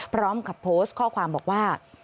พร้อมกับโพสต์ข้อความบอกว่า